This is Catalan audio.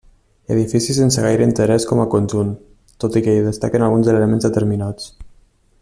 Edifici sense gaire interès com a conjunt, tot i que destaquen alguns elements determinats.